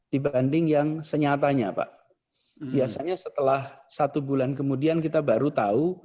dibanding yang senyatanya pak biasanya setelah satu bulan kemudian kita baru tahu